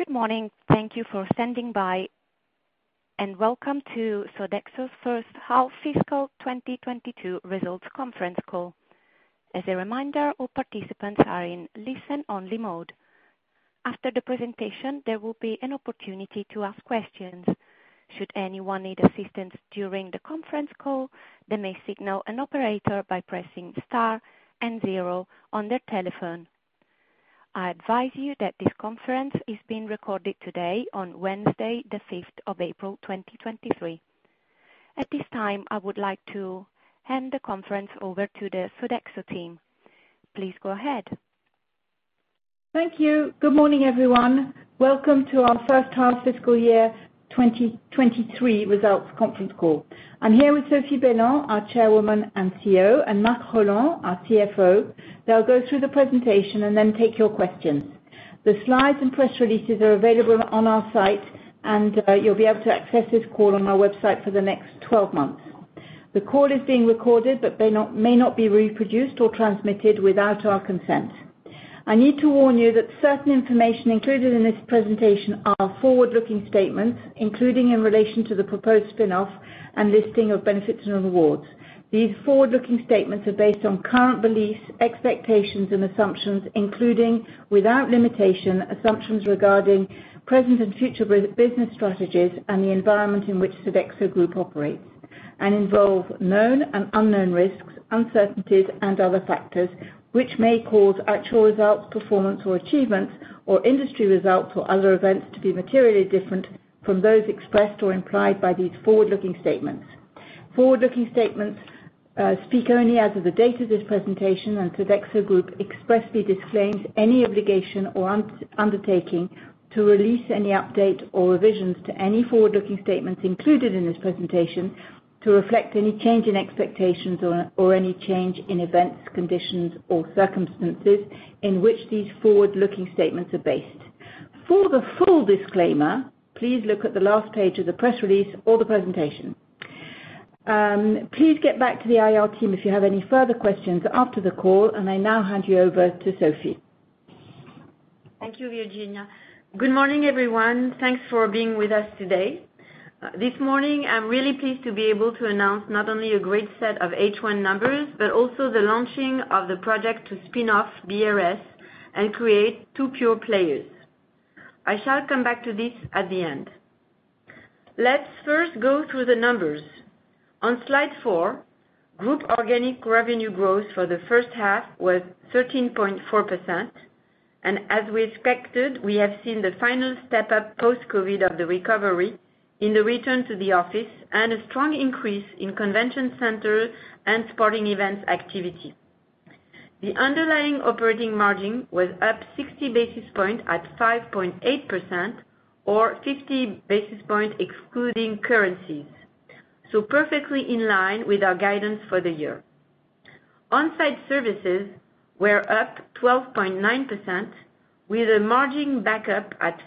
Good morning. Thank you for standing by, and welcome to Sodexo's first half fiscal 2022 results conference call. As a reminder, all participants are in listen-only mode. After the presentation, there will be an opportunity to ask questions. Should anyone need assistance during the conference call, they may signal an operator by pressing star and zero on their telephone. I advise you that this conference is being recorded today on Wednesday, the 5th of April, 2023. At this time, I would like to hand the conference over to the Sodexo team. Please go ahead. Thank you. Good morning, everyone. Welcome to our first half fiscal year 2023 results conference call. I'm here with Sophie Bellon, our Chairwoman and CEO, and Marc Rolland, our CFO. They'll go through the presentation and then take your questions. The slides and press releases are available on our site, and you'll be able to access this call on our website for the next 12 months. The call is being recorded, but may not be reproduced or transmitted without our consent. I need to warn you that certain information included in this presentation are forward-looking statements, including in relation to the proposed spin-off and listing of Benefits & Rewards. These forward-looking statements are based on current beliefs, expectations, and assumptions, including, without limitation, assumptions regarding present and future business strategies and the environment in which Sodexo Group operates, and involve known and unknown risks, uncertainties, and other factors, which may cause actual results, performance, or achievements or industry results or other events to be materially different from those expressed or implied by these forward-looking statements. Forward-looking statements speak only as of the date of this presentation, and Sodexo Group expressly disclaims any obligation or undertaking to release any update or revisions to any forward-looking statements included in this presentation to reflect any change in expectations or any change in events, conditions, or circumstances in which these forward-looking statements are based. For the full disclaimer, please look at the last page of the press release or the presentation. Please get back to the IR team if you have any further questions after the call. I now hand you over to Sophie. Thank you, Virginia. Good morning, everyone. Thanks for being with us today. This morning, I'm really pleased to be able to announce not only a great set of H1 numbers, but also the launching of the project to spin-off BRS and create two pure players. I shall come back to this at the end. Let's first go through the numbers. On slide 4, group organic revenue growth for the first half was 13.4%, and as we expected, we have seen the final step-up post-COVID of the recovery in the return to the office and a strong increase in convention center and sporting events activity. The underlying operating margin was up 60 basis points, at 5.8% or 50 basis points excluding currencies, so perfectly in line with our guidance for the year. On-site services were up 12.9% with a margin back up at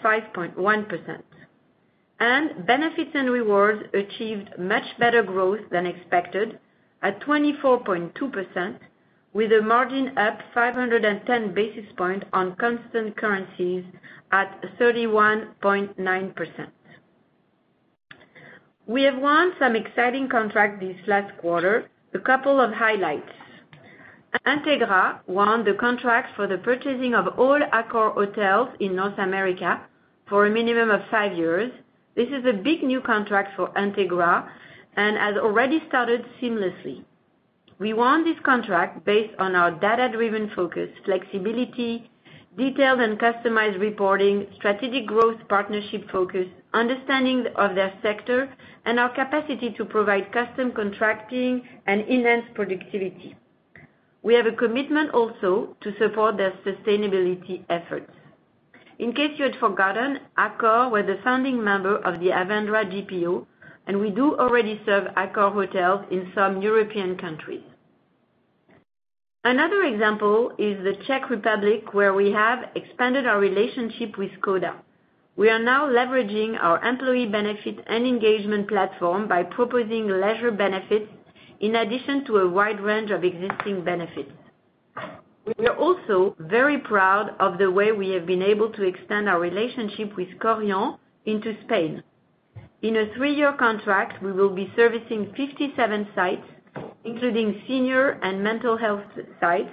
5.1%. Benefits & Rewards achieved much better growth than expected at 24.2% with the margin up 510 basis points on constant currencies at 31.9%. We have won some exciting contract this last quarter. A couple of highlights. Entegra won the contract for the purchasing of all Accor hotels in North America for a minimum of five years. This is a big new contract for Entegra and has already started seamlessly. We won this contract based on our data-driven focus, flexibility, detailed and customized reporting, strategic growth partnership focus, understanding of their sector, and our capacity to provide custom contracting and enhanced productivity. We have a commitment also to support their sustainability efforts. In case you had forgotten, Accor were the founding member of the Avendra GPO, and we do already serve Accor hotels in some European countries. Another example is the Czech Republic, where we have expanded our relationship with Škoda. We are now leveraging our employee benefit and engagement platform by proposing leisure benefits in addition to a wide range of existing benefits. We are also very proud of the way we have been able to extend our relationship with Korian into Spain. In a three-year contract, we will be servicing 57 sites, including senior and mental health sites,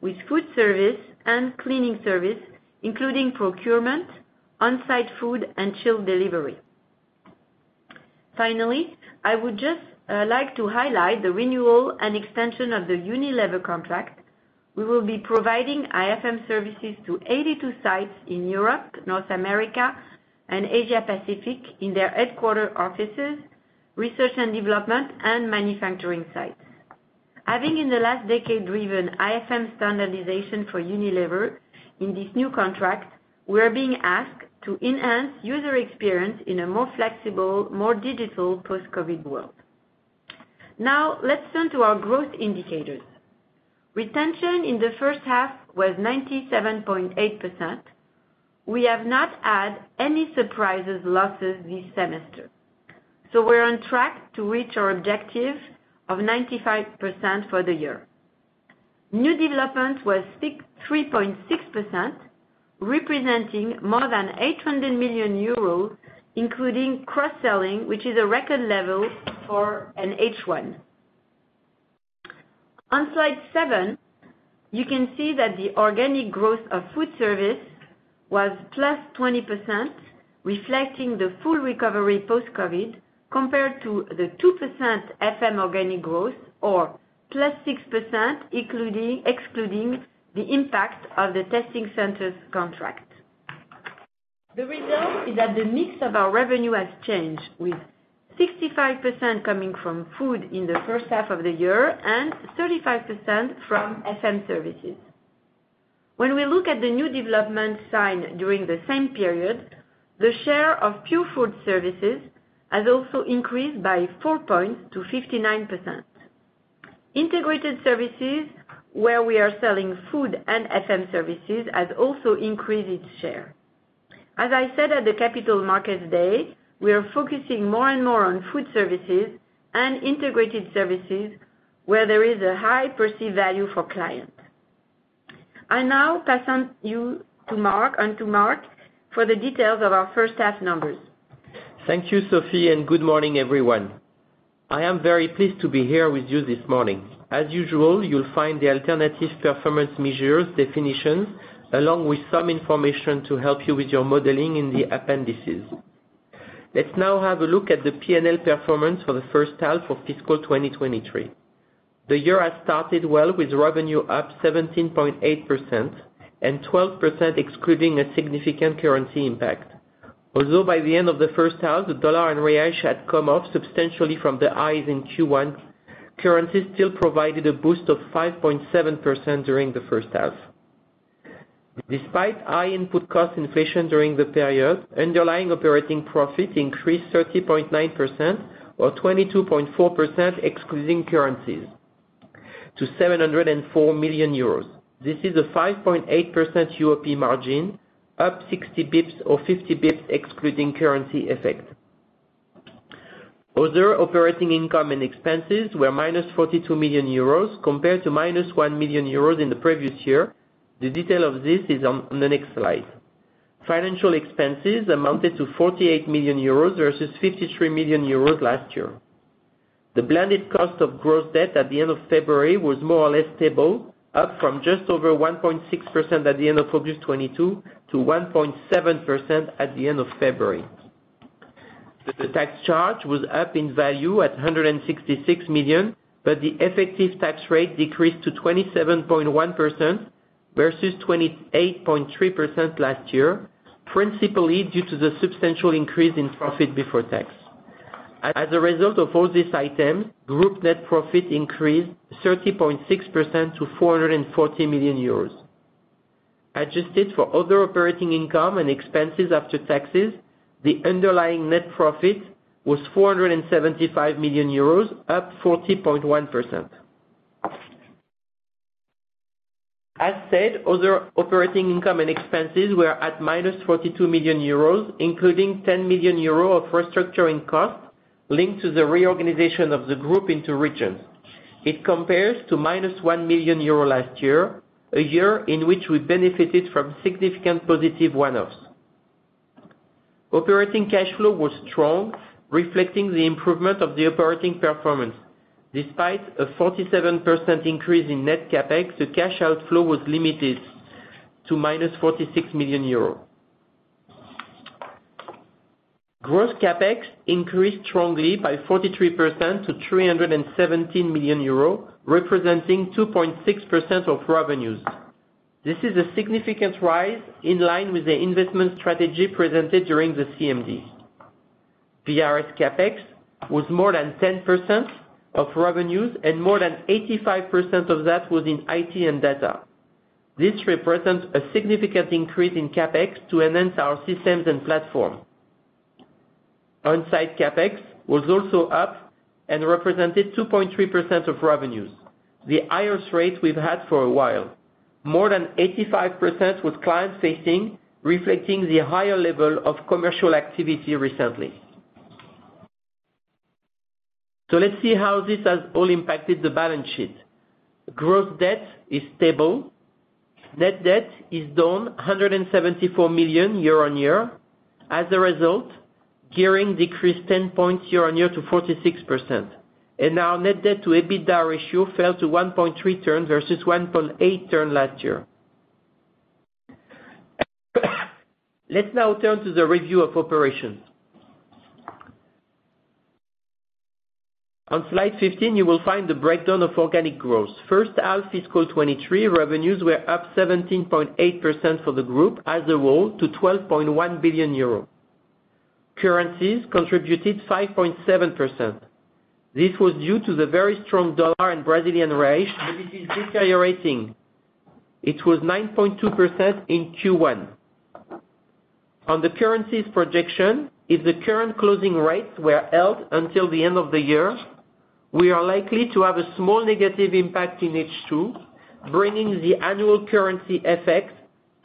with food service and cleaning service, including procurement, On-site food, and chilled delivery. Finally, I would just like to highlight the renewal and extension of the Unilever contract. We will be providing IFM services to 82 sites in Europe, North America, and Asia Pacific in their headquarter offices, research and development, and manufacturing sites. Having, in the last decade, driven IFM standardization for Unilever, in this new contract, we are being asked to enhance user experience in a more flexible, more digital post-COVID world. Let's turn to our growth indicators. Retention in the first half was 97.8%. We have not had any surprises losses this semester. So we're on track to reach our objective of 95% for the year. New development was 3.6%, representing more than 800 million euros, including cross-selling, which is a record level for an H1. On slide seven, you can see that the organic growth of food service was +20%, reflecting the full recovery post-COVID, compared to the 2% FM organic growth, or +6%, excluding the impact of the testing centers contract. The result is that the mix of our revenue has changed, with 65% coming from food in the first half of the year and 35% from FM services. When we look at the new development signed during the same period, the share of pure food services has also increased by 4 points to 59%. Integrated services, where we are selling food and FM services, has also increased its share. As I said at the Capital Markets Day, we are focusing more and more on food services and integrated services where there is a high perceived value for clients. I now pass on you on to Marc for the details of our first half numbers. Thank you, Sophie. Good morning, everyone. I am very pleased to be here with you this morning. As usual, you'll find the alternative performance measures definitions along with some information to help you with your modeling in the appendices. Let's now have a look at the P&L performance for the first half of fiscal 2023. The year has started well, with revenue up 17.8% and 12% excluding a significant currency impact. By the end of the first half, the dollar and reais had come off substantially from the highs in Q1, currency still provided a boost of 5.7% during the first half. Despite high input cost inflation during the period, Underlying Operating Profit increased 30.9% or 22.4%, excluding currencies, to 704 million euros. This is a 5.8% UOP margin, up 60 basis points or 50 basis points excluding currency effect. Other operating income and expenses were -42 million euros compared to -1 million euros in the previous year. The detail of this is on the next slide. Financial expenses amounted to 48 million euros versus 53 million euros last year. The blended cost of gross debt at the end of February was more or less stable, up from just over 1.6% at the end of August 2022 to 1.7% at the end of February. The tax charge was up in value at 166 million, the effective tax rate decreased to 27.1% versus 28.3% last year, principally due to the substantial increase in profit before tax. As a result of all these items, group net profit increased 30.6% to 440 million euros. Adjusted for other operating income and expenses after taxes, the underlying net profit was 475 million euros, up 40.1%. As said, other operating income and expenses were at -42 million euros, including 10 million euros of restructuring costs linked to the reorganization of the group into regions. It compares to -1 million euro last year, a year in which we benefited from significant positive one-offs. Operating cash flow was strong, reflecting the improvement of the operating performance. Despite a 47% increase in net CapEx, the cash outflow was limited to -EUR 46 million. Gross CapEx increased strongly by 43% to 317 million euro, representing 2.6% of revenues. This is a significant rise in line with the investment strategy presented during the CMD. BRS CapEx was more than 10% of revenues, and more than 85% of that was in IT and data. This represents a significant increase in CapEx to enhance our systems and platform. On-site CapEx was also up and represented 2.3% of revenues, the highest rate we've had for a while. More than 85% was client-facing, reflecting the higher level of commercial activity recently. Let's see how this has all impacted the balance sheet. Gross debt is stable. Net debt is down 174 million year-on-year. As a result, gearing decreased 10 points year-on-year to 46%. Our net debt to EBITDA ratio fell to 1.3 turn versus 1.8 turn last year. Let's now turn to the review of operations. On slide 15, you will find the breakdown of organic growth. First half fiscal 2023 revenues were up 17.8% for the group as a whole to 12.1 billion euros. Currencies contributed 5.7%. This was due to the very strong dollar and Brazilian reais, which is deteriorating. It was 9.2% in Q1. On the currencies projection, if the current closing rates were held until the end of the year, we are likely to have a small negative impact in H2, bringing the annual currency effect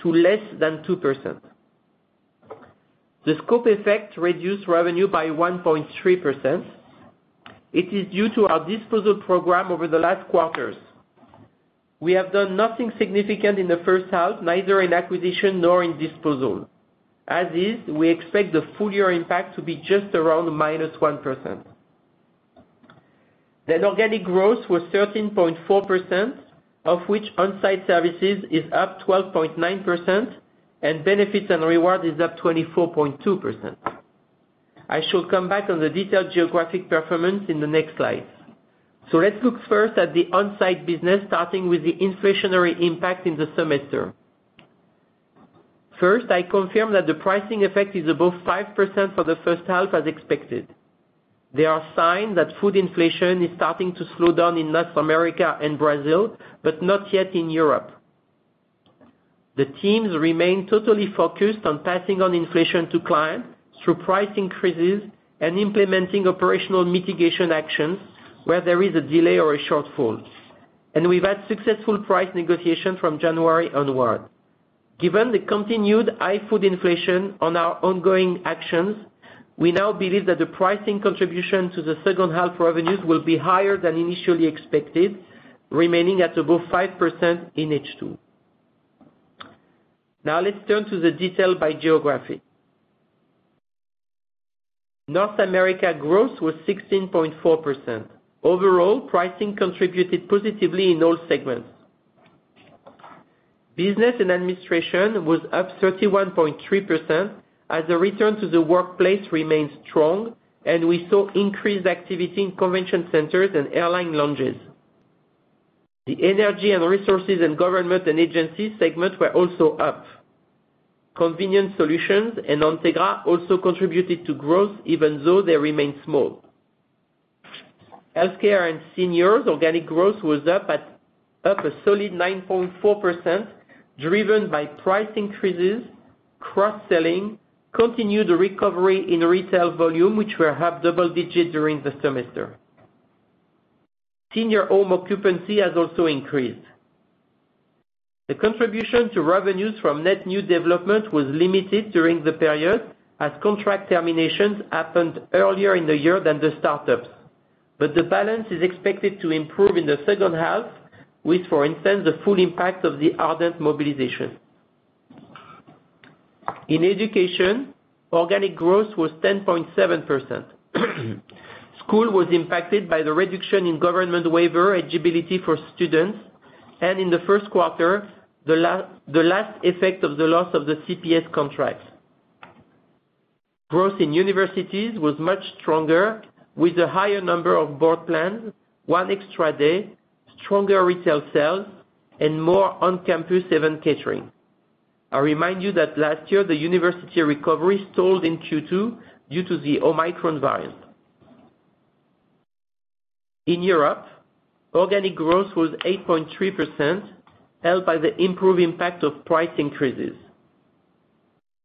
to less than 2%. The scope effect reduced revenue by 1.3%. It is due to our disposal program over the last quarters. We have done nothing significant in the first half, neither in acquisition nor in disposal. As is, we expect the full year impact to be just around -1%. Organic growth was 13.4%, of which On-site services is up 12.9% and Benefits & Rewards is up 24.2%. I shall come back on the detailed geographic performance in the next slide. Let's look first at the On-site business, starting with the inflationary impact in the semester. First, I confirm that the pricing effect is above 5% for the first half, as expected. There are signs that food inflation is starting to slow down in North America and Brazil, but not yet in Europe. The teams remain totally focused on passing on inflation to clients through price increases and implementing operational mitigation actions where there is a delay or a shortfall. We've had successful price negotiation from January onward. Given the continued high food inflation on our ongoing actions, we now believe that the pricing contribution to the second half revenues will be higher than initially expected, remaining at above 5% in H2. Let's turn to the detail by geography. North America growth was 16.4%. Overall, pricing contributed positively in all segments. Business and Administration was up 31.3% as the return to the workplace remained strong, and we saw increased activity in convention centers and airline lounges. The Energy and Resources and Government and Agencies segments were also up. Convenience Solutions and Entegra also contributed to growth, even though they remain small. Healthcare and Seniors organic growth was up a solid 9.4%, driven by price increases, cross-selling, continued recovery in retail volume, which were half double digits during the semester. Senior home occupancy has also increased. The contribution to revenues from net new development was limited during the period as contract terminations happened earlier in the year than the startups. The balance is expected to improve in the second half with, for instance, the full impact of the Ardent mobilization. In education, organic growth was 10.7%. School was impacted by the reduction in government waiver eligibility for students, and in the first quarter, the last effect of the loss of the CPS contracts. Growth in universities was much stronger, with a higher number of board plans, one extra day, stronger retail sales, and more on-campus event catering. I remind you that last year, the university recovery stalled in Q2 due to the Omicron variant. In Europe, organic growth was 8.3%, helped by the improved impact of price increases.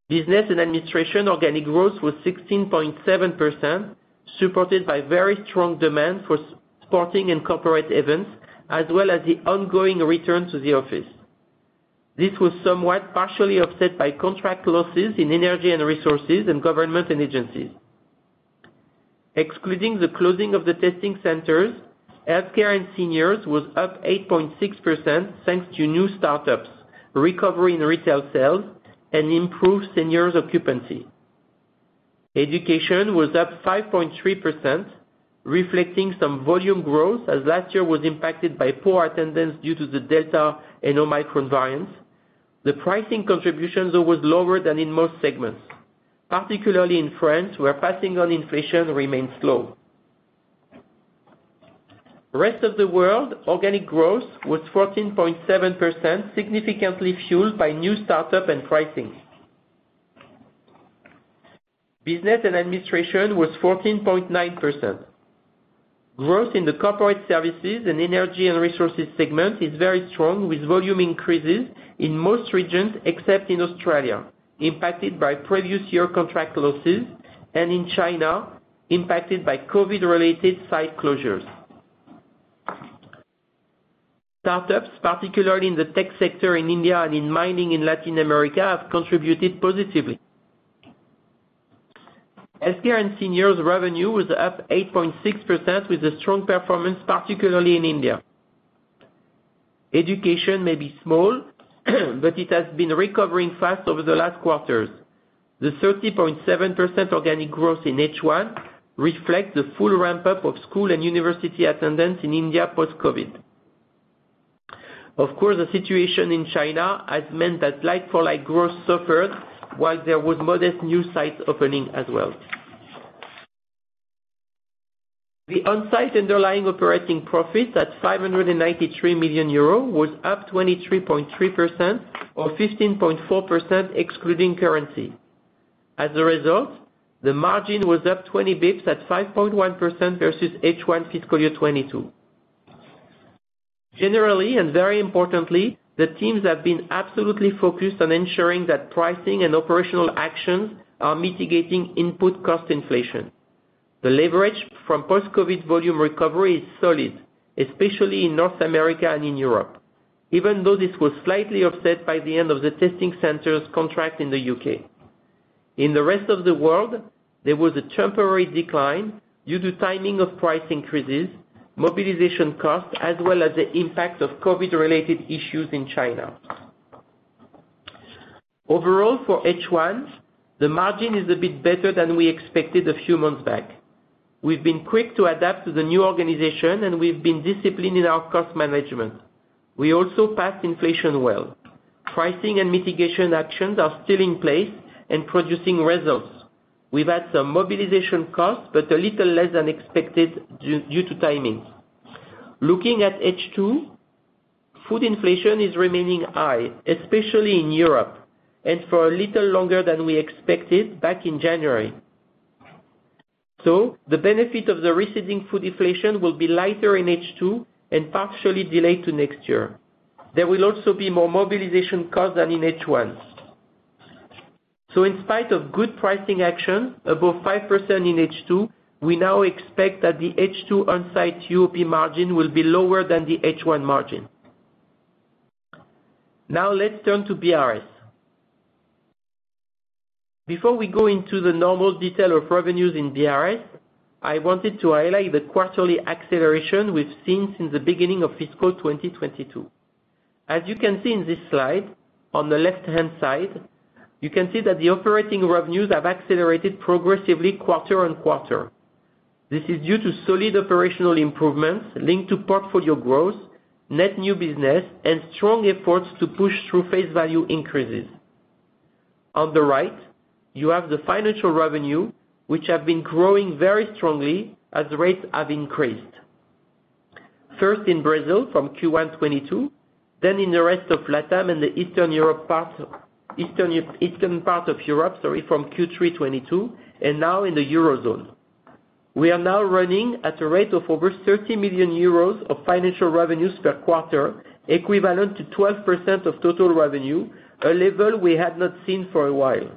Business and administration organic growth was 16.7%, supported by very strong demand for sporting and corporate events, as well as the ongoing return to the office. This was somewhat partially offset by contract losses in energy and resources and government and agencies. Excluding the closing of the testing centers, healthcare and seniors was up 8.6%, thanks to new start-ups, recovery in retail sales, and improved seniors occupancy. Education was up 5.3%, reflecting some volume growth, as last year was impacted by poor attendance due to the Delta and Omicron variants. The pricing contributions were lower than in most segments, particularly in France, where passing on inflation remains slow. Rest of the world, organic growth was 14.7%, significantly fueled by new start-ups and pricing. Business and administration was 14.9%. Growth in the corporate services and energy and resources segment is very strong, with volume increases in most regions, except in Australia, impacted by previous year contract losses, and in China, impacted by COVID-related site closures. Startups, particularly in the tech sector in India and in mining in Latin America, have contributed positively. Healthcare and seniors revenue was up 8.6% with a strong performance, particularly in India. Education may be small, but it has been recovering fast over the last quarters. The 30.7% organic growth in H1 reflects the full ramp-up of school and university attendance in India post-COVID. Of course, the situation in China has meant that like-for-like growth suffered, while there was modest new sites opening as well. The On-site underlying operating profit at 593 million euros was up 23.3% or 15.4% excluding currency. As a result, the margin was up 20 bits at 5.1% versus H1 fiscal year 2022. Generally, and very importantly, the teams have been absolutely focused on ensuring that pricing and operational actions are mitigating input cost inflation. The leverage from post-COVID volume recovery is solid, especially in North America and in Europe, even though this was slightly offset by the end of the testing centers contract in the U.K. In the rest of the world, there was a temporary decline due to timing of price increases, mobilization costs, as well as the impact of COVID-related issues in China. Overall, for H1, the margin is a bit better than we expected a few months back. We've been quick to adapt to the new organization, and we've been disciplined in our cost management. We also passed inflation well. Pricing and mitigation actions are still in place and producing results. We've had some mobilization costs, but a little less than expected due to timing. Looking at H2, food inflation is remaining high, especially in Europe, and for a little longer than we expected back in January. The benefit of the receding food inflation will be lighter in H2 and partially delayed to next year. There will also be more mobilization costs than in H1. In spite of good pricing action, above 5% in H2, we now expect that the H2 On-site UOP margin will be lower than the H1 margin. Let's turn to BRS. Before we go into the normal detail of revenues in BRS, I wanted to highlight the quarterly acceleration we've seen since the beginning of fiscal 2022. As you can see in this slide, on the left-hand side, you can see that the operating revenues have accelerated progressively quarter on quarter. This is due to solid operational improvements linked to portfolio growth, net new business, and strong efforts to push through face value increases. On the right, you have the financial revenue, which have been growing very strongly as rates have increased. First in Brazil from Q1 2022, then in the rest of Latam and the Eastern part of Europe, sorry, from Q3 2022, and now in the Eurozone. We are now running at a rate of over 30 million euros of financial revenues per quarter, equivalent to 12% of total revenue, a level we have not seen for a while.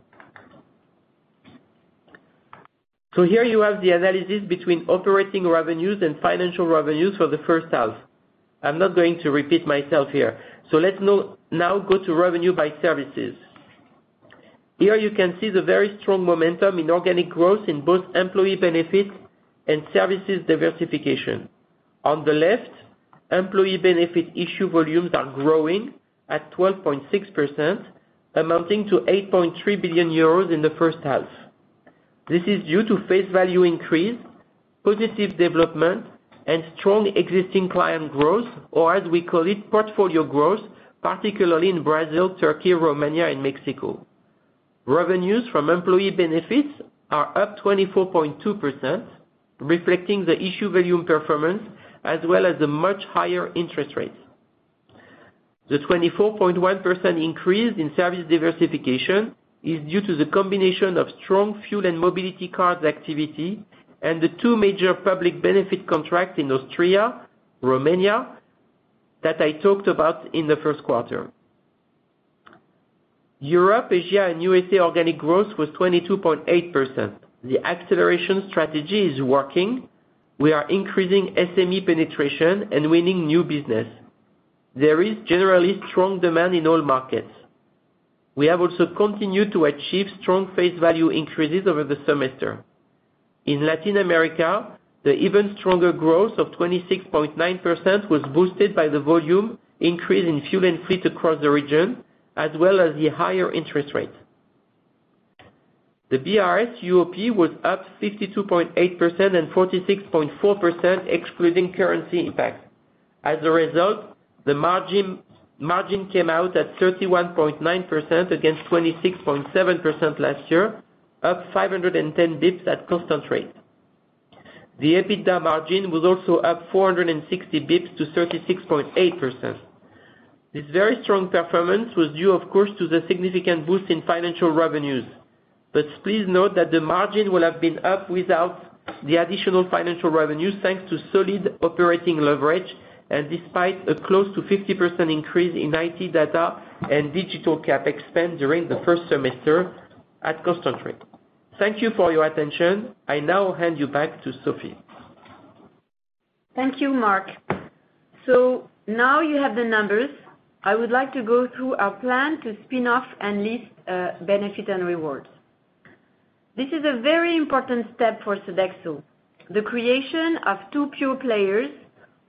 Here you have the analysis between operating revenues and financial revenues for the first half. I'm not going to repeat myself here, let's now go to revenue by services. Here you can see the very strong momentum in organic growth in both Employee Benefits and services diversification. On the left, Employee Benefit issue volumes are growing at 12.6%, amounting to 83 billion euros in the first half. This is due to face value increase, positive development, and strong existing client growth, or as we call it, portfolio growth, particularly in Brazil, Turkey, Romania, and Mexico. Revenues from employee benefits are up 24.2%, reflecting the issue volume performance, as well as the much higher interest rates. The 24.1% increase in service diversification is due to the combination of strong fuel and mobility cards activity and the two major public benefit contracts in Austria, Romania, that I talked about in the first quarter. Europe, Asia, and USA organic growth was 22.8%. The acceleration strategy is working. We are increasing SME penetration and winning new business. There is generally strong demand in all markets. We have also continued to achieve strong face value increases over the semester. In Latin America, the even stronger growth of 26.9% was boosted by the volume increase in fuel and fleet across the region, as well as the higher interest rates. The BRS UOP was up 52.8% and 46.4% excluding currency impact. The margin came out at 31.9% against 26.7% last year, up 510 basis points at constant rate. The EBITDA margin was also up 460 basis points to 36.8%. This very strong performance was due, of course, to the significant boost in financial revenues. Please note that the margin will have been up without the additional financial revenues, thanks to solid operating leverage and despite a close to 50% increase in IT data and digital cap expense during the first semester at constant rate. Thank you for your attention. I now hand you back to Sophie. Thank you, Marc. Now you have the numbers. I would like to go through our plan to spin off and list Benefits & Rewards. This is a very important step for Sodexo. The creation of two pure players,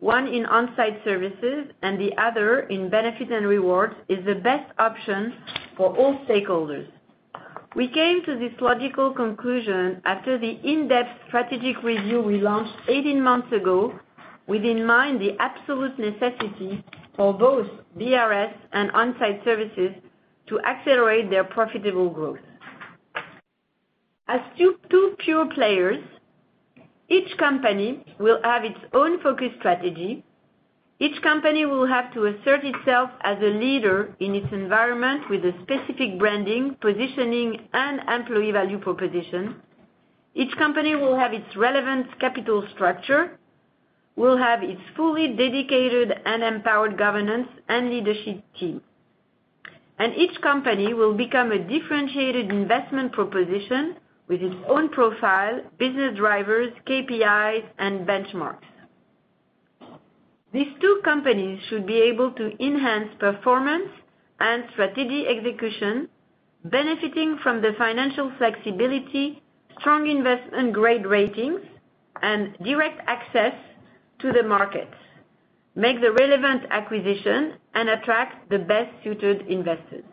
one in On-site Services and the other in Benefits & Rewards, is the best option for all stakeholders. We came to this logical conclusion after the in-depth strategic review we launched 18 months ago with in mind the absolute necessity for both BRS and On-site Services to accelerate their profitable growth. As two pure players, each company will have its own focus strategy. Each company will have to assert itself as a leader in its environment with a specific branding, positioning, and employee value proposition. Each company will have its relevant capital structure, will have its fully dedicated and empowered governance and leadership team. Each company will become a differentiated investment proposition with its own profile, business drivers, KPIs, and benchmarks. These two companies should be able to enhance performance and strategic execution, benefiting from the financial flexibility, strong investment grade ratings, and direct access to the market, make the relevant acquisition, and attract the best-suited investors.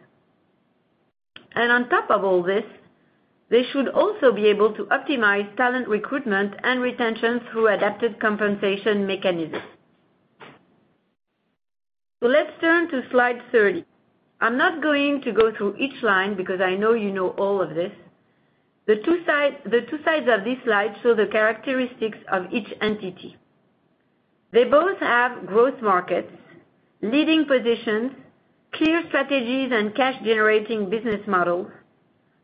On top of all this, they should also be able to optimize talent recruitment and retention through adapted compensation mechanisms. Let's turn to slide 30. I'm not going to go through each line because I know you know all of this. The two sides of this slide show the characteristics of each entity. They both have growth markets, leading positions, clear strategies, and cash-generating business models.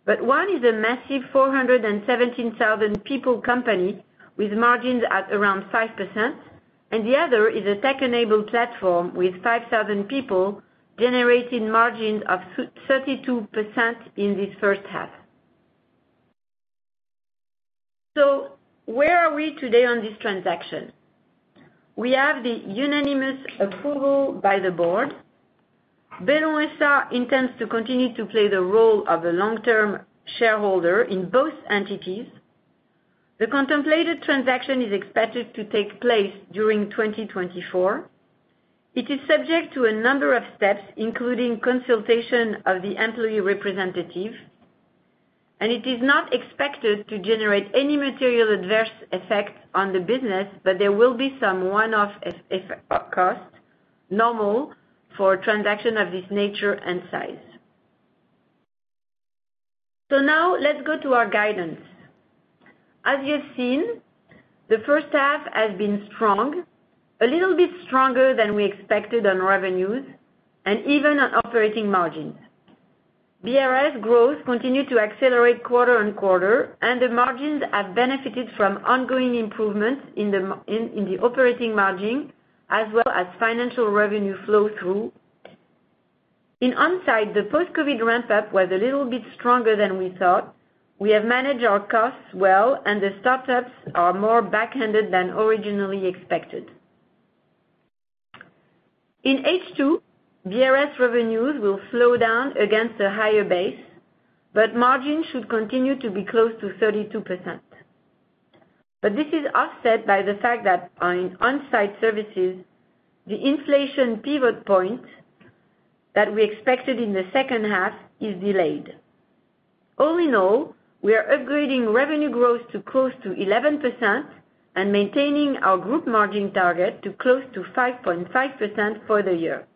One is a massive 417,000 people company with margins at around 5%, and the other is a tech-enabled platform with 5,000 people, generating margins of 32% in this first half. Where are we today on this transaction? We have the unanimous approval by the Board. Bellon SA intends to continue to play the role of the long-term shareholder in both entities. The contemplated transaction is expected to take place during 2024. It is subject to a number of steps, including consultation of the employee representatives, and it is not expected to generate any material adverse effects on the business, but there will be some one-off costs, normal for transactions of this nature and size. Now let's go to our guidance. As you have seen, the first half has been strong, a little bit stronger than we expected on revenues and even on operating margins. BRS growth continued to accelerate quarter-on-quarter, the margins have benefited from ongoing improvements in the operating margin, as well as financial revenue flow through. In On-site, the post-COVID ramp-up was a little bit stronger than we thought. We have managed our costs well, the startups are more back-ended than originally expected. In H2, BRS revenues will slow down against a higher base, margins should continue to be close to 32%. This is offset by the fact that on On-site services, the inflation pivot point that we expected in the second half is delayed. All in all, we are upgrading revenue growth to close to 11% and maintaining our group margin target to close to 5.5% for the year.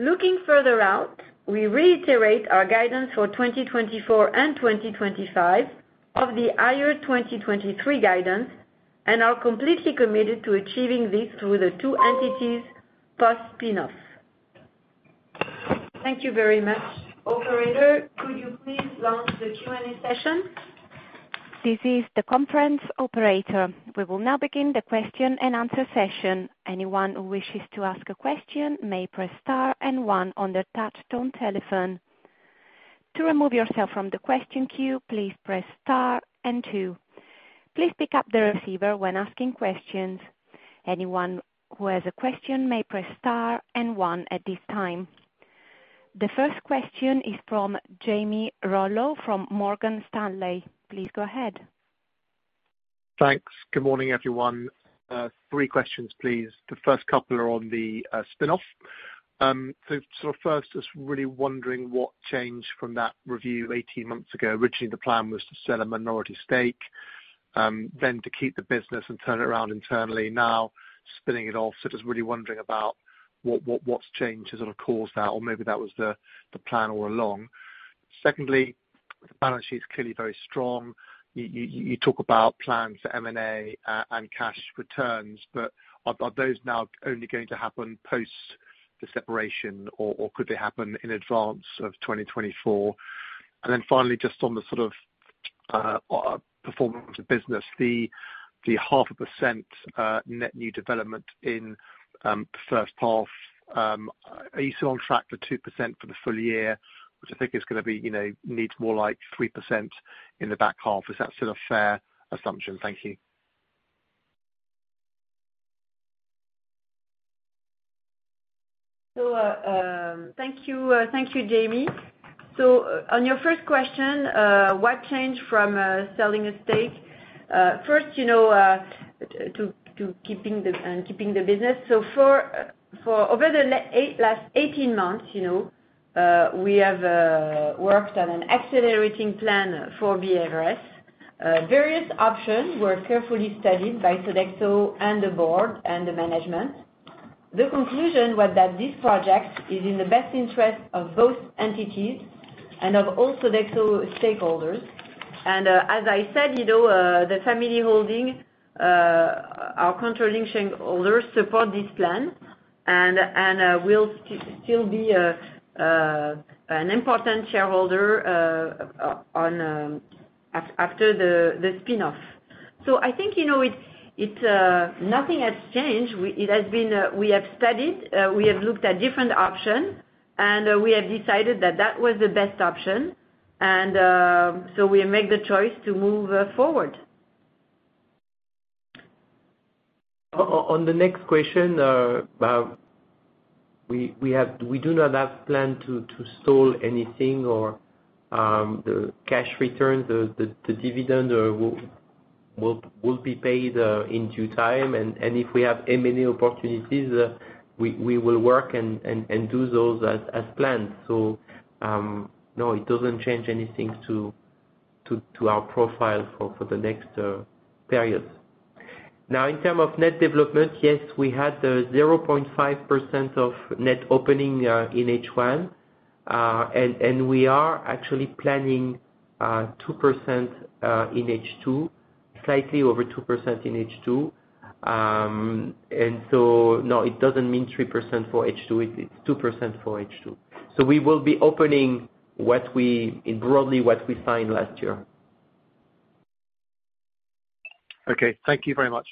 Looking further out, we reiterate our guidance for 2024 and 2025 of the higher 2023 guidance and are completely committed to achieving this through the two entities post-spin-off. Thank you very much. Operator, could you please launch the Q&A session? This is the conference operator. We will now begin the question-and-answer session. Anyone who wishes to ask a question may press star and one on their touchtone telephone. To remove yourself from the question queue, please press star and two. Please pick up the receiver when asking questions. Anyone who has a question may press star and one at this time. The first question is from Jamie Rollo from Morgan Stanley. Please go ahead. Thanks. Good morning, everyone. Three questions, please. The first couple are on the spin-off. First, just really wondering what changed from that review 18 months ago. Originally, the plan was to sell a minority stake, then to keep the business and turn it around internally. Now spinning it off. Just really wondering about what's changed to sort of cause that, or maybe that was the plan all along. Secondly, the balance sheet is clearly very strong. You talk about plans for M&A and cash returns, are those now only going to happen post the separation, or could they happen in advance of 2024? Finally, just on the sort of performance of business, the half a percent net new development in first half, are you still on track for 2% for the full year, which I think is gonna be, you know, needs more like 3% in the back half. Is that still a fair assumption? Thank you. Thank you. Thank you, Jamie. On your first question, what changed from selling a stake? First, you know, and keeping the business. For over the last 18 months, you know, we have worked on an accelerating plan for BRS. Various options were carefully studied by Sodexo and the board and the management. The conclusion was that this project is in the best interest of both entities and of all Sodexo stakeholders. As I said, you know, the family holding, our controlling shareholders support this plan. We'll still be an important shareholder after the spin-off. I think, you know, nothing has changed. It has been, we have studied, we have looked at different option, and we have decided that that was the best option. We make the choice to move forward. On the next question, we have we do not have plan to sold anything or the cash returns, the dividend will be paid in due time. If we have M&A opportunities, we will work and do those as planned. No, it doesn't change anything to our profile for the next period. Now in terms of net development, yes, we had 0.5% of net opening in H1. We are actually planning 2% in H2, slightly over 2% in H2. No, it doesn't mean 3% for H2. It's 2% for H2. We will be opening broadly what we signed last year. Okay, thank you very much.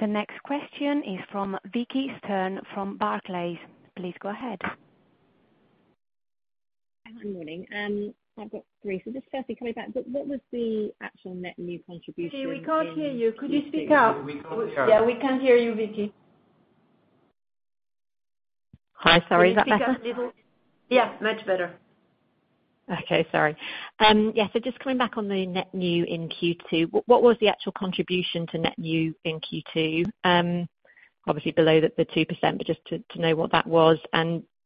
The next question is from Vicki Stern from Barclays. Please go ahead. Hi, morning. I've got three. Just firstly coming back, but what was the actual net new contribution? Vicki, we can't hear you. Could you speak up? We can't hear. Yeah, we can't hear you, Vicki. Hi, sorry. Is that better? Can you speak up a little? Yeah, much better. Okay, sorry. Yeah, just coming back on the net new in Q2. What was the actual contribution to net new in Q2? Obviously below the 2%, just to know what that was.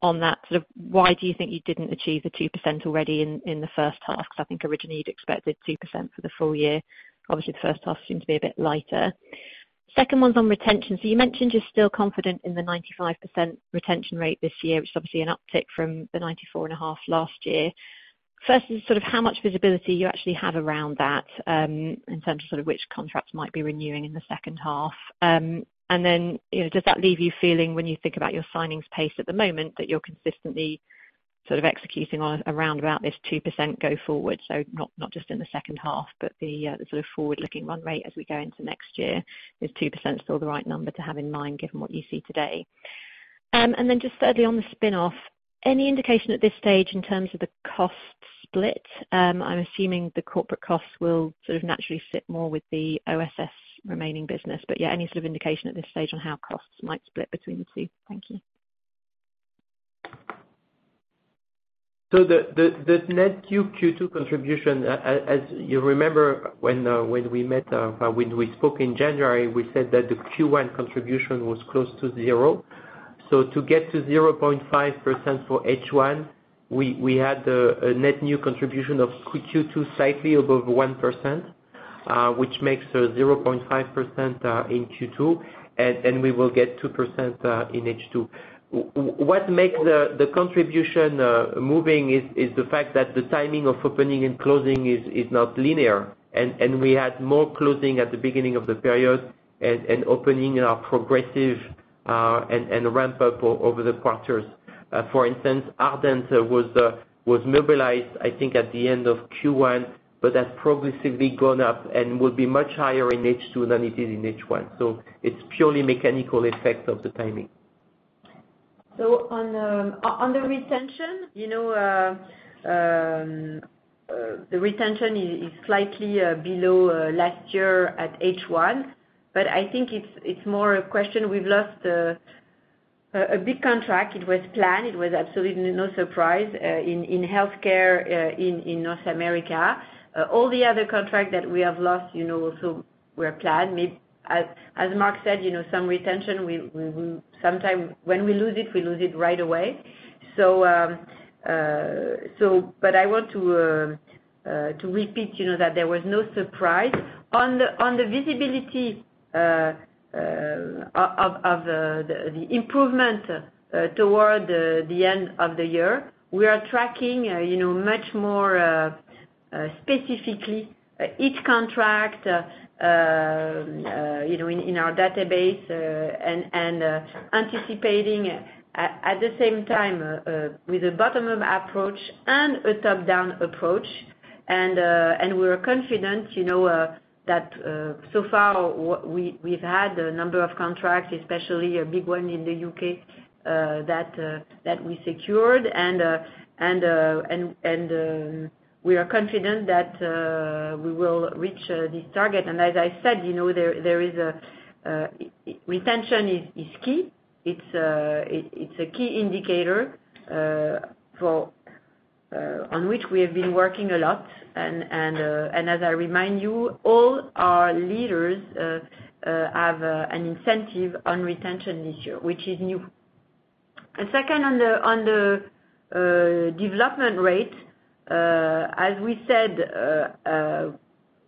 On that, sort of why do you think you didn't achieve the 2% already in the first half? 'Cause I think originally you'd expected 2% for the full year. Obviously, the first half seemed to be a bit lighter. Second one's on retention. You mentioned you're still confident in the 95% retention rate this year, which is obviously an uptick from the 94.5 last year. First is sort of how much visibility you actually have around that, in terms of sort of which contracts might be renewing in the second half. you know, does that leave you feeling, when you think about your signings pace at the moment, that you're consistently sort of executing on around about this 2% go forward? Not just in the second half, but the sort of forward-looking run rate as we go into next year. Is 2% still the right number to have in mind given what you see today? Just thirdly on the spin-off, any indication at this stage in terms of the cost split? I'm assuming the corporate costs will sort of naturally sit more with the OSS remaining business. Any sort of indication at this stage on how costs might split between the two? Thank you. The net new Q2 contribution, as you remember when we met, when we spoke in January, we said that the Q1 contribution was close to zero. To get to 0.5% for H1, we had a net new contribution of Q2 slightly above 1%, which makes it 0.5% in Q2. We will get 2% in H2. What makes the contribution moving is the fact that the timing of opening and closing is not linear. We had more closing at the beginning of the period and opening in our progressive and ramp up over the quarters. For instance, Ardent was mobilized, I think at the end of Q1, but has progressively gone up and will be much higher in H2 than it is in H1. It's purely mechanical effect of the timing. On the retention, you know, the retention is slightly below last year at H1, but I think it's more a question. We've lost a big contract. It was planned, it was absolutely no surprise in healthcare in North America. All the other contract that we have lost, you know, so were planned. As Marc said, you know, some retention, we sometime when we lose it, we lose it right away. I want to repeat, you know, that there was no surprise. On the visibility of the improvement toward the end of the year, we are tracking, you know, much more specifically each contract, you know, in our database, and anticipating at the same time with a bottom-up approach and a top-down approach. We're confident, you know, that so far what we've had a number of contracts, especially a big one in the U.K., that we secured and we are confident that we will reach this target. As I said, you know, there is a retention is key. It's a key indicator for on which we have been working a lot. As I remind you, all our leaders have an incentive on retention this year, which is new. Second on the development rate, as we said,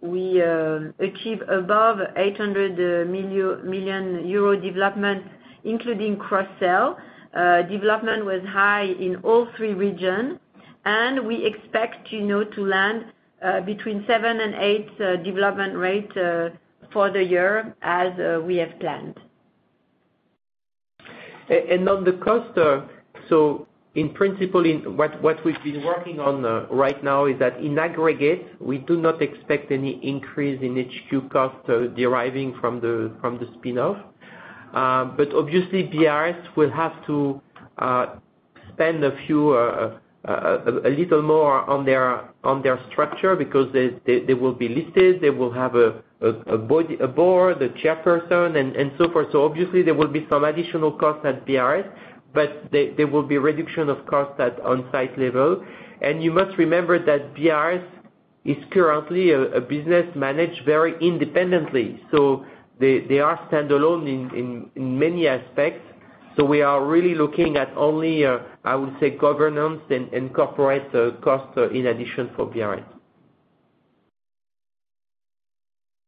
we achieve above 800 million euro development, including cross-sell. Development was high in all three region. And we expect, you know, to land between 7% and 8% development rate for the year as we have planned. On the cost, in principle, what we've been working on right now is that in aggregate, we do not expect any increase in HQ costs deriving from the spin-off. Obviously BRS will have to spend a few a little more on their structure because they will be listed, they will have a board, a chairperson and so forth. Obviously there will be some additional costs at BRS, but there will be reduction of costs at On-site level. You must remember that BRS is currently a business managed very independently, so they are standalone in many aspects. We are really looking at only, I would say governance and corporate costs in addition for BRS.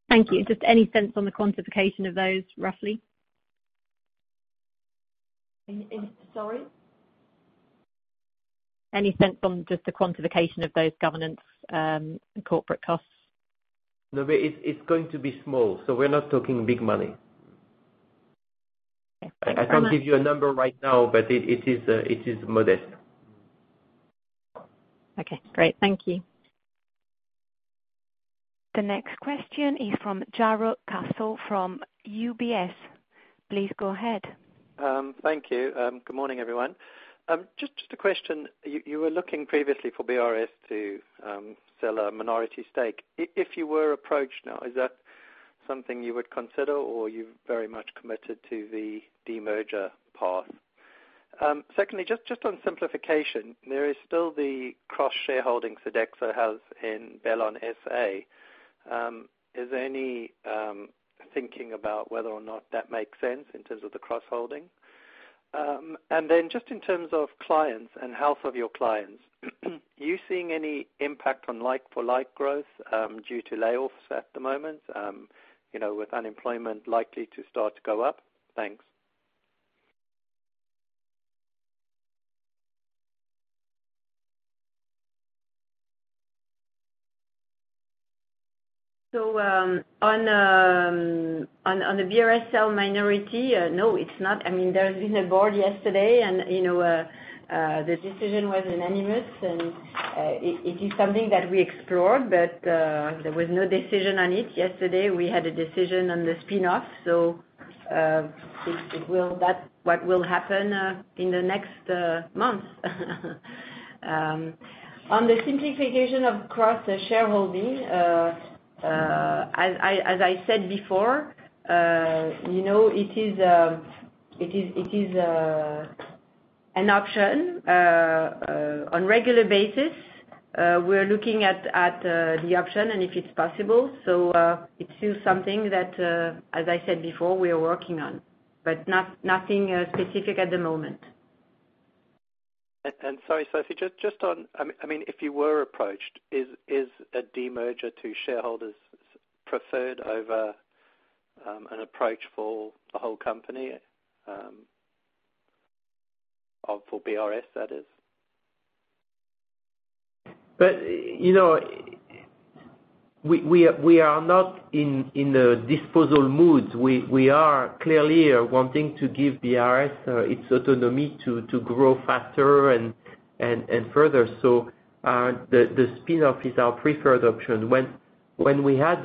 Thank you. Just any sense on the quantification of those, roughly? Sorry? Any sense on just the quantification of those governance, and corporate costs? No, but it's going to be small, so we're not talking big money. Thank you very much. I can't give you a number right now, but it is modest. Okay, great. Thank you. The next question is from Jarrod Castle from UBS. Please go ahead. Thank you. Good morning, everyone. Just a question. You were looking previously for BRS to sell a minority stake. If you were approached now, is that something you would consider or you're very much committed to the demerger path? Secondly, just on simplification, there is still the cross-shareholding Sodexo has in Bellon SA. Is there any thinking about whether or not that makes sense in terms of the cross-holding? Then just in terms of clients and health of your clients, are you seeing any impact on like-for-like growth due to layoffs at the moment, you know, with unemployment likely to start to go up? Thanks. On the BRS sale minority, no, it's not. I mean, there's been a board yesterday and, you know, the decision was unanimous and it is something that we explored, but, there was no decision on it. Yesterday, we had a decision on the spin-off, so, that's what will happen in the next months. On the simplification of cross-shareholding, as I said before, you know, it is an option. On regular basis, we're looking at the option and if it's possible. It's still something that, as I said before, we are working on, but nothing specific at the moment. Sorry, Sophie, just on, I mean, if you were approached, is a demerger to shareholders preferred over an approach for a whole company, or for BRS that is? You know, we are not in a disposal mood. We are clearly wanting to give BRS its autonomy to grow faster and further. The spin-off is our preferred option. When we had,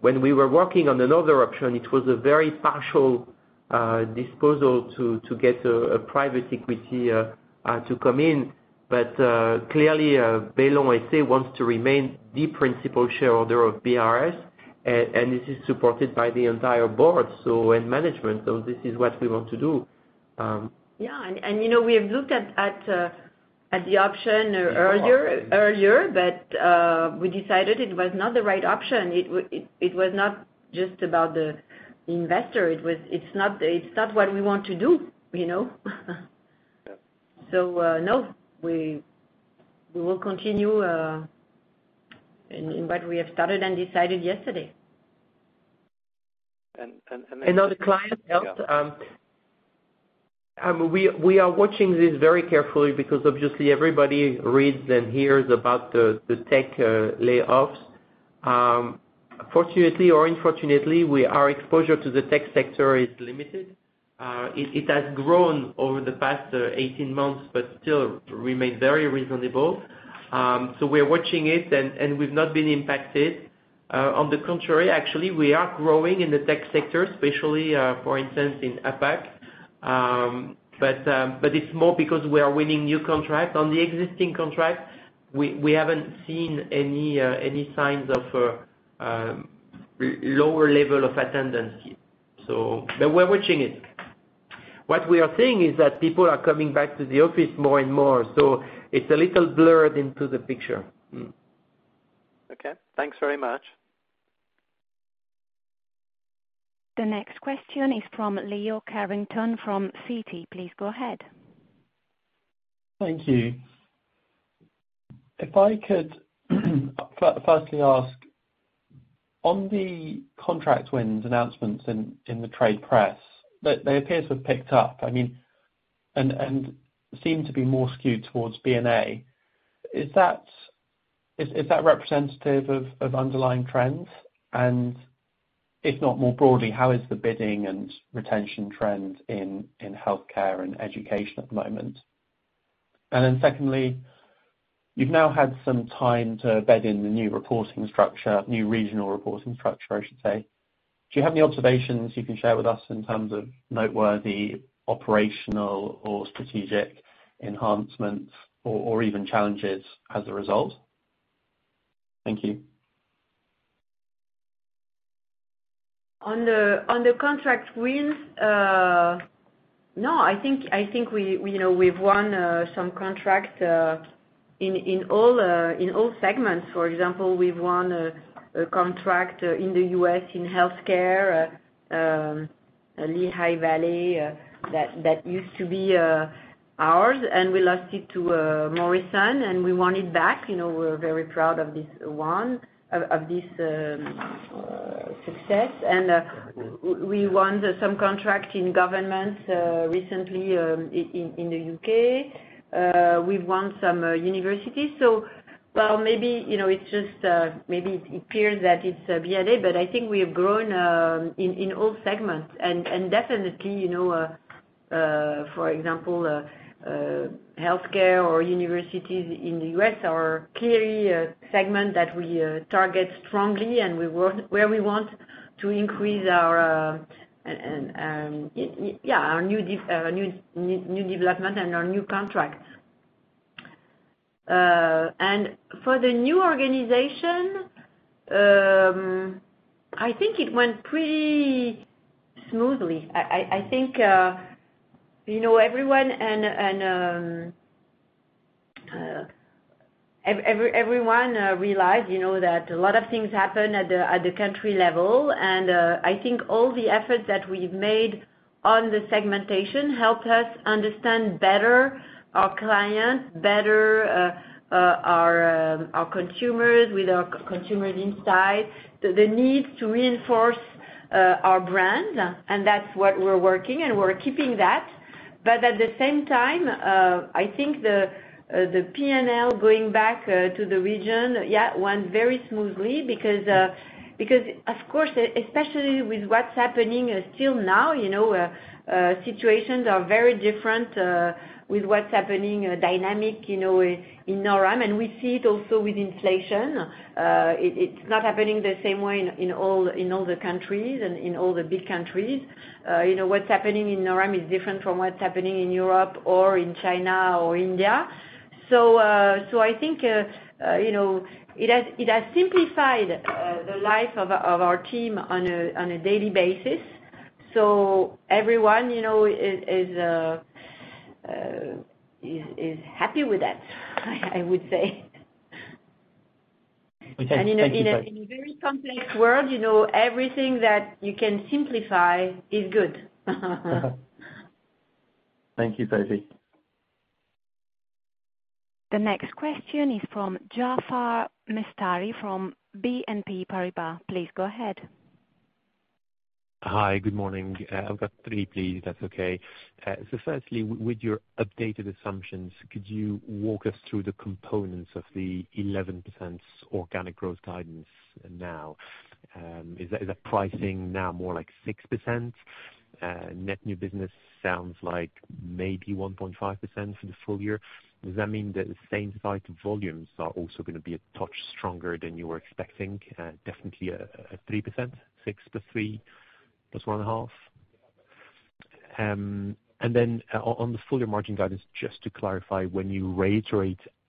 when we were working on another option, it was a very partial disposal to get a private equity to come in. Clearly, Bellon SA wants to remain the principal shareholder of BRS, and this is supported by the entire board and management. This is what we want to do. Yeah. you know, we have looked at the option earlier. We decided it was not the right option. It was not just about the investor. It's not what we want to do, you know? No, we will continue in what we have started and decided yesterday. We are watching this very carefully because obviously everybody reads and hears about the tech layoffs. Fortunately or unfortunately, our exposure to the tech sector is limited. It has grown over the past 18 months but still remains very reasonable. We're watching it and we've not been impacted. On the contrary, actually, we are growing in the tech sector, especially, for instance, in APAC. It's more because we are winning new contracts. On the existing contracts, we haven't seen any signs of lower level of attendance yet. But we're watching it. What we are seeing is that people are coming back to the office more and more, so it's a little blurred into the picture. Okay. Thanks very much. The next question is from Leo Carrington from Citi. Please go ahead. Thank you. If I could firstly ask on the contract wins announcements in the trade press, they appear to have picked up, I mean, and seem to be more skewed towards B&A. Is that representative of underlying trends? If not, more broadly, how is the bidding and retention trend in healthcare and education at the moment? Secondly, you've now had some time to bed in the new reporting structure, new regional reporting structure, I should say. Do you have any observations you can share with us in terms of noteworthy operational or strategic enhancements or even challenges as a result? Thank you. On the contract wins, no, I think we know we've won some contracts in all segments. For example, we've won a contract in the U.S. in healthcare, Lehigh Valley, that used to be ours, and we lost it to Morrison, and we won it back. You know, we're very proud of this one, of this success. We won some contract in government recently in the U.K. We've won some universities. While maybe, you know, it's just, maybe it appears that it's B&A, but I think we have grown in all segments. Definitely, you know, for example, healthcare or universities in the U.S. are clearly a segment that we target strongly and where we want to increase our, and, yeah, our new development and our new contracts. For the new organization, I think it went pretty smoothly. I think, you know, everyone and, everyone realized, you know, that a lot of things happen at the country level. I think all the efforts that we've made on the segmentation helped us understand better our clients, better, our consumers with our consumers insight, the need to reinforce, our brand. That's what we're working, and we're keeping that. At the same time, I think the PNL going back to the region, yeah, went very smoothly because, of course, especially with what's happening till now, you know, situations are very different with what's happening dynamic, you know, in NORAM, and we see it also with inflation. It's not happening the same way in all the countries and in all the big countries. You know, what's happening in NORAM is different from what's happening in Europe or in China or India. I think, you know, it has simplified the life of our team on a daily basis. Everyone you know is happy with that, I would say. Okay. Thank you, Sophie. In a very complex world, you know, everything that you can simplify is good. Thank you, Sophie. The next question is from Jaafar Mestari from BNP Paribas. Please go ahead. Hi. Good morning. I've got three, please, if that's okay. Firstly, with your updated assumptions, could you walk us through the components of the 11% organic growth guidance now? Is that pricing now more like 6%? Net new business sounds like maybe 1.5% for the full year. Does that mean that the same side volumes are also gonna be a touch stronger than you were expecting? Definitely, at 3%, 6% + 3% + 1.5%. Then, on the full year margin guidance, just to clarify, when you rate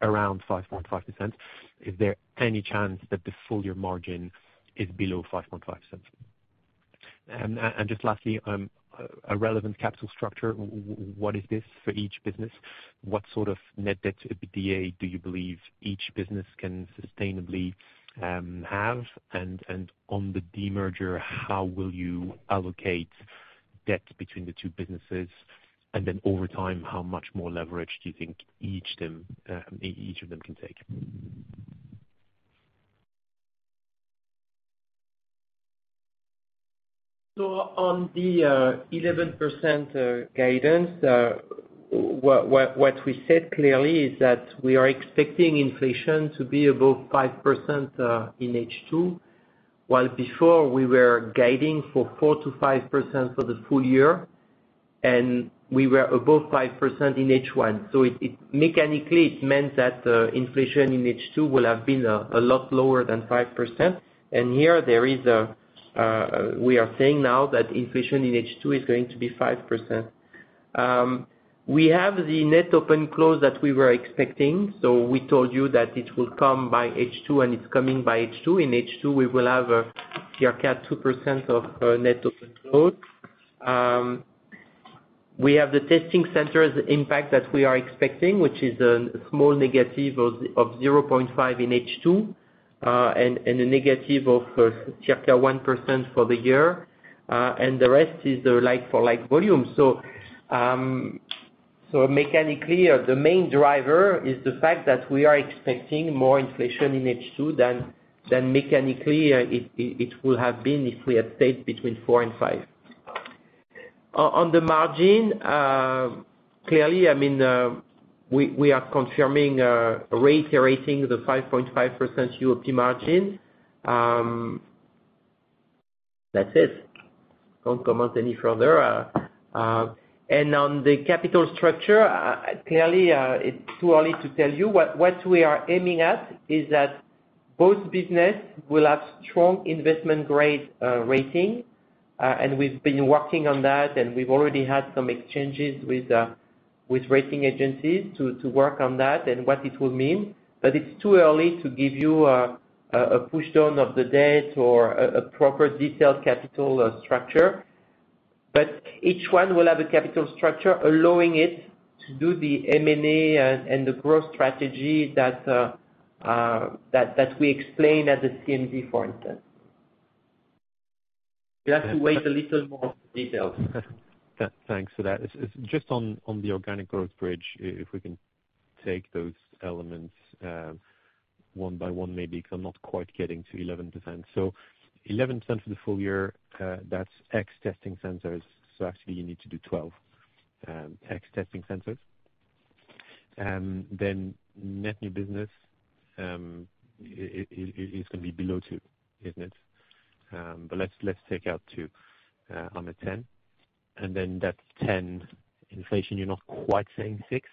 around 5.5%, is there any chance that the full year margin is below 5.5%? Just lastly, a relevant capital structure, what is this for each business? What sort of net debt to EBITDA do you believe each business can sustainably have? On the demerger, how will you allocate debt between the two businesses? Over time, how much more leverage do you think each of them can take? On the 11% guidance, we said clearly is that we are expecting inflation to be above 5% in H2, while before we were guiding for 4%-5% for the full year, and we were above 5% in H1. Mechanically, it meant that inflation in H2 will have been a lot lower than 5%. Here we are saying now that inflation in H2 is going to be 5%. We have the net open close that we were expecting. We told you that it will come by H2, and it's coming by H2. In H2, we will have a circa 2% of net open close. We have the testing centers impact that we are expecting, which is a small negative of 0.5 in H2, and a negative of circa 1% for the year. The rest is the like-for-like volume. Mechanically, the main driver is the fact that we are expecting more inflation in H2 than mechanically it will have been if we had stayed between 4% and 5%. On the margin, clearly, I mean, we are confirming, reiterating the 5.5% UOP margin. That's it. Won't comment any further. On the capital structure, clearly, it's too early to tell you. What we are aiming at is that both business will have strong investment-grade rating, and we've been working on that, and we've already had some exchanges with rating agencies to work on that and what it will mean. It's too early to give you a push down of the debt or a proper detailed capital structure. Each one will have a capital structure allowing it to do the M&A and the growth strategy that we explain at the CMD forum. You have to wait a little more details. Thanks for that. Just on the organic growth bridge, if we can take those elements one by one, maybe, 'cause I'm not quite getting to 11%. 11% for the full year, that's ex testing centers, so actually you need to do 12 ex testing centers. Net new business is gonna be below two, isn't it? Let's take out two. I'm at ten. That's ten. Inflation, you're not quite saying six.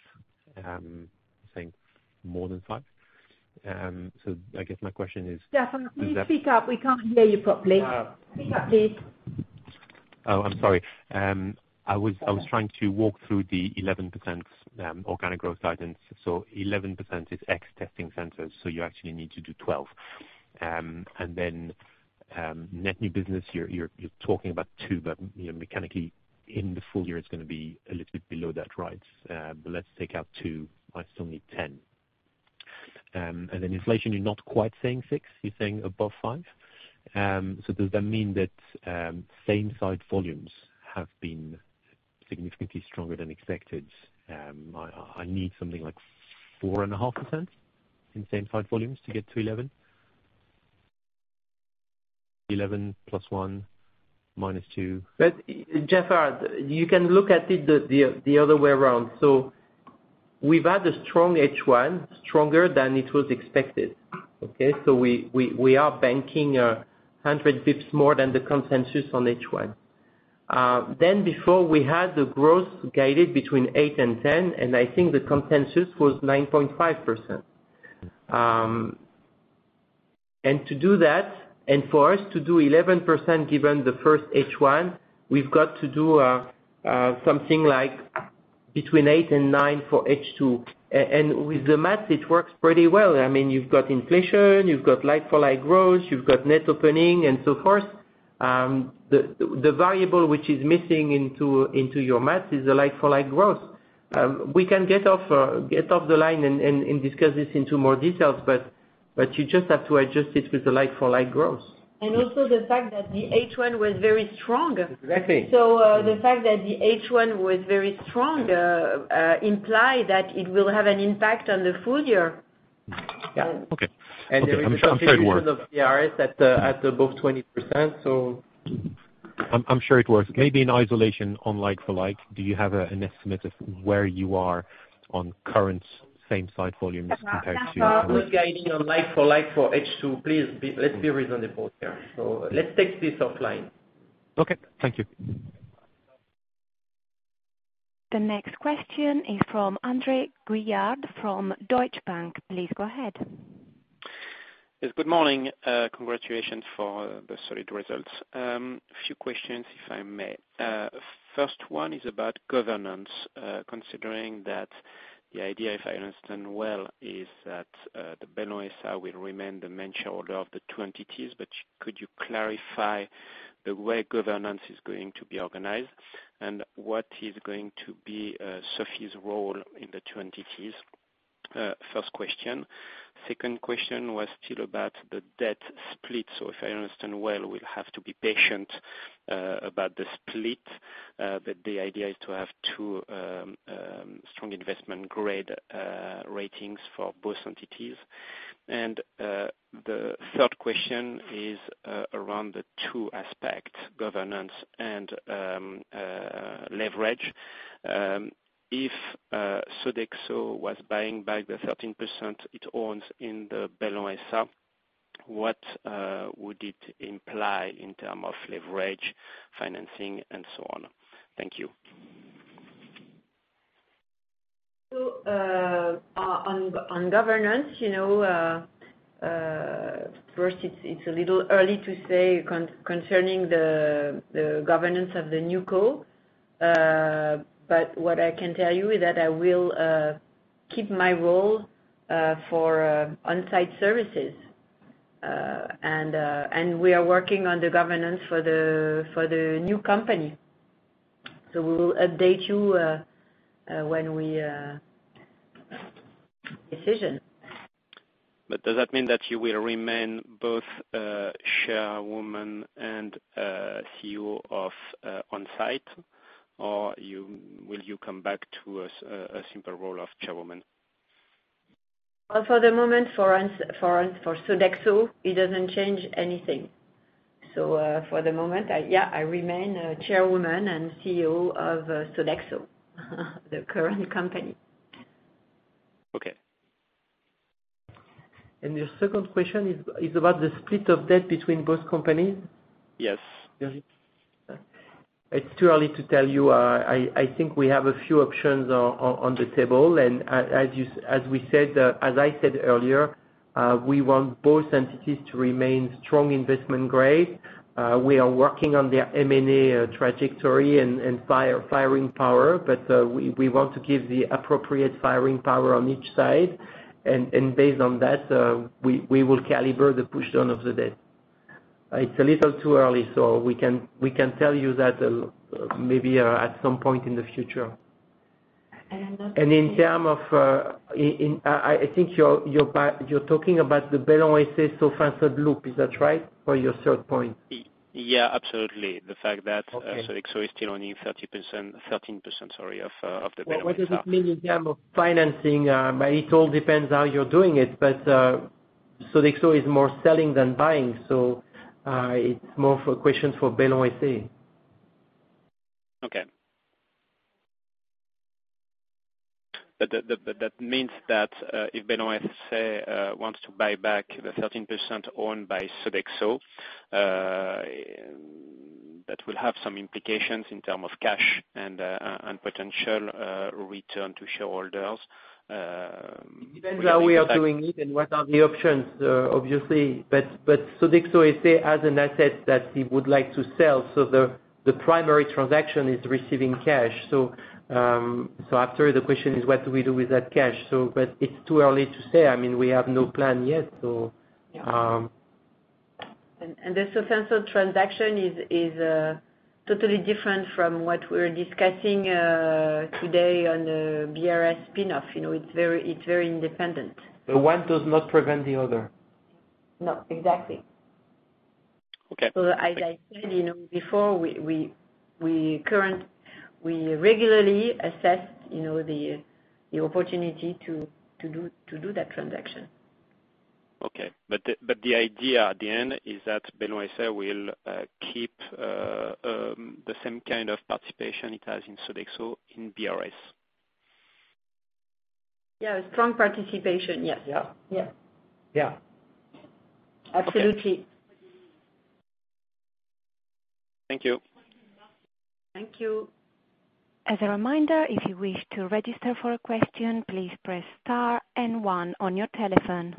Saying more than five. I guess my question is. Jeffrey, please speak up. We can't hear you properly. Speak up, please. I'm sorry. I was trying to walk through the 11% organic growth guidance. 11% is ex testing centers, so you actually need to do 12%. Net new business, you're talking about two, but, you know, mechanically in the full year it's gonna be a little bit below that, right? Let's take out two. I still need 10. Inflation, you're not quite saying six. You're saying above five. Does that mean that same site volumes have been significantly stronger than expected? I need something like 4.5% in same site volumes to get to 11%. 11% + 1% - 2%. Jafaar, you can look at it the other way around. We've had a strong H1, stronger than it was expected, okay? We are banking 100 basis points more than the consensus on H1. Before we had the growth guided between 8% and 10%, and I think the consensus was 9.5%. To do that, and for us to do 11% given the first H1, we've got to do something like between 8% and 9% for H2. With the math it works pretty well. I mean, you've got inflation, you've got like-for-like growth, you've got net opening and so forth. The variable which is missing into your math is the like-for-like growth. We can get off the line and discuss this into more details, but you just have to adjust it with the like-for-like growth. Also the fact that the H1 was very strong. Exactly. The fact that the H1 was very strong imply that it will have an impact on the full year. Yeah. Okay. Okay. I'm sure it works. The contribution of the BRS at above 20%. I'm sure it works. Maybe in isolation on like-for-like, do you have an estimate of where you are on current same site volumes compared to? I'm not guiding on like-for-like for H2. Let's be reasonable here. Let's take this offline. Okay, thank you. The next question is from André Juillard from Deutsche Bank. Please go ahead. Yes, good morning. Congratulations for the solid results. A few questions if I may. 1st one is about governance. Considering that the idea, if I understand well, is that Bellon SA will remain the main shareholder of the two entities, but could you clarify the way governance is going to be organized and what is going to be Sophie Bellon's role in the two entities? First question. Second question was still about the debt split. If I understand well, we'll have to be patient about the split, but the idea is to have two strong investment-grade ratings for both entities. The 3rd question is around the two aspect, governance and leverage. If Sodexo was buying back the 13% it owns in the Bellon SA, what would it imply in terms of leverage, financing and so on? Thank you. On governance, you know, first it's a little early to say concerning the governance of the new co. What I can tell you is that I will keep my role for On-site services. We are working on the governance for the new company. We will update you when we decision. Does that mean that you will remain both, Chairwoman and CEO of On-site? Or will you come back to a simple role of Chairwoman? Well, for the moment, for us, for Sodexo, it doesn't change anything. For the moment, yeah, I remain Chairwoman and CEO of Sodexo, the current company. Okay. Your second question is about the split of debt between both companies? Yes. It's too early to tell you. I think we have a few options on the table. As we said, as I said earlier, we want both entities to remain strong investment grade. We are working on their M&A trajectory and firing power. We want to give the appropriate firing power on each side. Based on that, we will caliber the push down of the debt. It's a little too early, so we can tell you that, maybe, at some point in the future. In term of, I think you're talking about the, is that right, for your third point? Yeah, absolutely. The fact that Sodexo is still owning 13%, sorry, of the stock. What does it mean in terms of financing? It all depends how you're doing it, but Sodexo is more selling than buying, so it's more for question for. that means that, if wants to buy back the 13% owned by Sodexo, that will have some implications in term of cash and potential return to shareholders, related to that. It depends how we are doing it and what are the options, obviously. Sodexo, let's say, has an asset that it would like to sell, so the primary transaction is receiving cash. After the question is what do we do with that cash? It's too early to say. I mean, we have no plan yet. The inaudible transaction is totally different from what we're discussing today on the BRS spin-off. You know, it's very independent. The one does not prevent the other. No, exactly. Okay. As I said, you know, before, we regularly assess, you know, the opportunity to do that transaction. Okay. The idea at the end is that inaudible will keep the same kind of participation it has in Sodexo in BRS. Yeah. A strong participation, yes. Yeah. Yeah. Yeah. Absolutely. Thank you. Thank you. As a reminder, if you wish to register for a question, please press star and one on your telephone.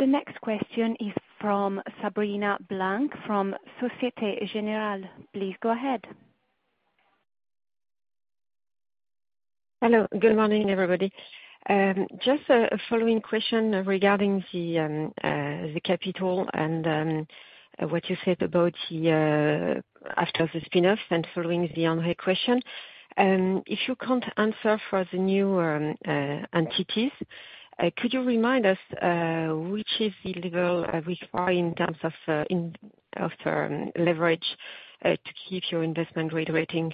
The next question is from Sabrina Blanc from Société Générale. Please go ahead. Hello. Good morning, everybody. Just a following question regarding the capital and what you said about after the spinoff and following the André question. If you can't answer for the new entities, could you remind us which is the level require in terms of in of leverage to keep your investment grade ratings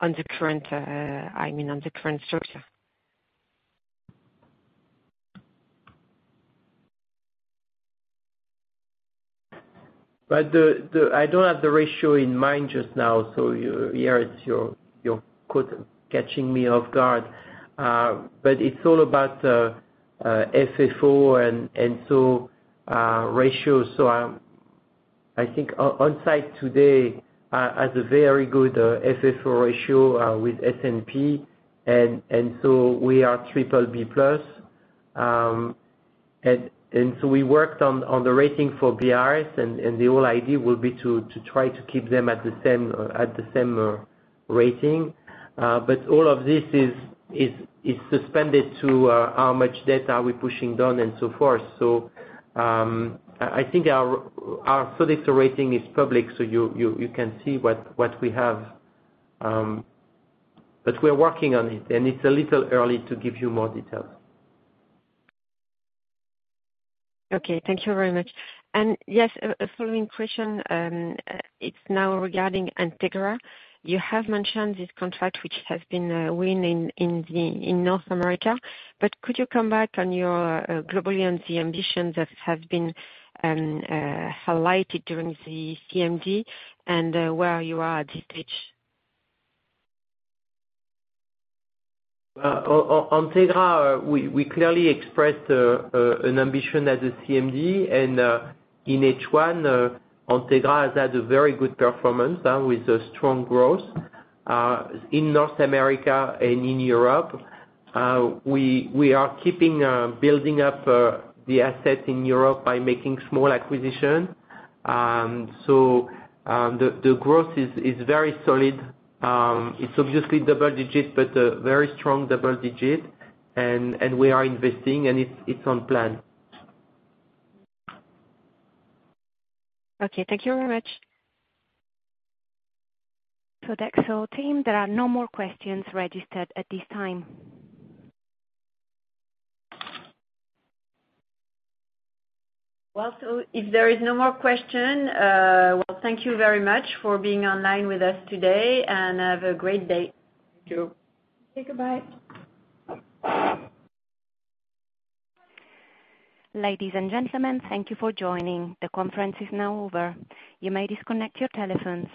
on the current, I mean, on the current structure? I don't have the ratio in mind just now, so you're catching me off guard. It's all about FFO and so ratios. I think on site today has a very good FFO ratio with S&P and so we are BBB+. So we worked on the rating for BRS and the whole idea will be to try to keep them at the same rating. All of this is suspended to how much debt are we pushing down and so forth. I think our Sodexo rating is public, so you can see what we have. We're working on it, and it's a little early to give you more details. Okay. Thank you very much. Yes, a following question, it's now regarding Entegra. You have mentioned this contract, which has been win in North America. Could you come back on your globally on the ambitions that have been highlighted during the CMD and where you are at this stage? On Entegra, we clearly expressed an ambition at the CMD. In H1, Entegra has had a very good performance with a strong growth in North America and in Europe. We are keeping building up the asset in Europe by making small acquisition. The growth is very solid. It's obviously double digit, but very strong double digit. We are investing, and it's on plan. Okay. Thank you very much. Sodexo team, there are no more questions registered at this time. If there is no more question, well, thank you very much for being online with us today. Have a great day. Thank you. Okay. Goodbye. Ladies and gentlemen, thank you for joining. The conference is now over. You may disconnect your telephones.